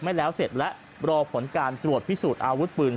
ไม่แล้วเสร็จและรอผลการตรวจพิสูจน์อาวุธปืน